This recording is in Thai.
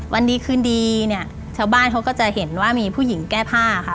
วันดีคืนดีเนี่ยชาวบ้านเขาก็จะเห็นว่ามีผู้หญิงแก้ผ้าค่ะ